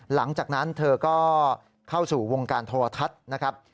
หลังจากนั้นเธอก็เข้าสู่วงการโทรทัศน์นะครับ